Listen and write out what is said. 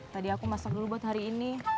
tadi aku masak dulu buat hari ini